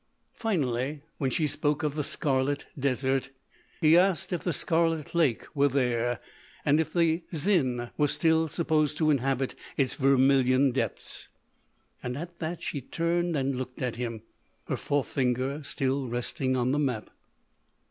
Finally, when she spoke of the Scarlet Desert, he asked if the Scarlet Lake were there and if the Xin was still supposed to inhabit its vermilion depths. And at that she turned and looked at him, her forefinger still resting on the map.